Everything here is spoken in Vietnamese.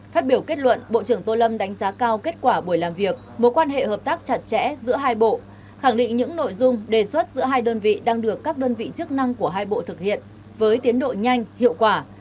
phát biểu kết luận bộ trưởng tô lâm đánh giá cao kết quả buổi làm việc mối quan hệ hợp tác chặt chẽ giữa hai bộ khẳng định những nội dung đề xuất giữa hai đơn vị đang được các đơn vị chức năng của hai bộ thực hiện với tiến độ nhanh hiệu quả